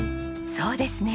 そうですね。